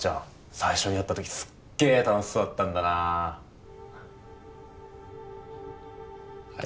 最初に会った時すっげえ楽しそうだったんだない